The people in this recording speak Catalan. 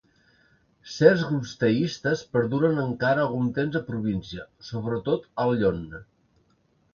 Certs grups teistes perduren encara algun temps a província, sobretot al Yonne.